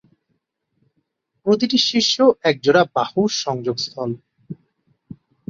প্রতিটি শীর্ষ এক জোড়া বাহুর সংযোগ স্থল।